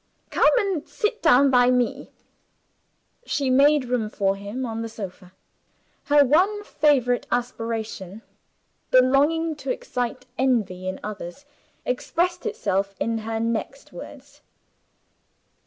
"Come and sit down by me." She made room for him on the sofa. Her one favorite aspiration the longing to excite envy in others expressed itself in her next words.